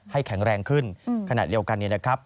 ให้แข็งแรงขึ้นขนาดเดียวกันนี้นะครับ